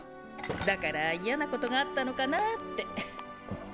だから嫌なことがあったのかなぁって。